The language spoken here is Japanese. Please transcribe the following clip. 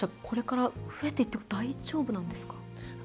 これから、増えていって大丈夫なんですか？